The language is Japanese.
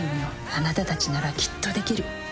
あなたたちならきっとできる。